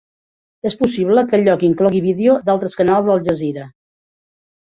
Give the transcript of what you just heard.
És possible que el lloc inclogui vídeo d'altres canals d'Al Jazeera.